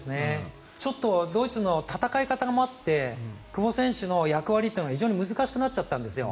ちょっとドイツの戦い方もあって久保選手の役割というのが非常に難しくなっちゃったんですよ。